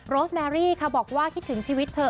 โรสแมรี่ค่ะบอกว่าคิดถึงชีวิตเธอ